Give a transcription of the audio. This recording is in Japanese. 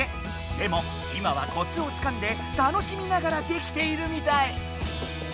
でも今はコツをつかんで楽しみながらできているみたい。